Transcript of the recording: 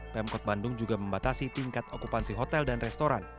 pemkot bandung juga membatasi tingkat okupansi hotel dan restoran